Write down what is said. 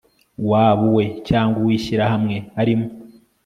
waba uwe cyangwa uw'ishyirahamwe arimo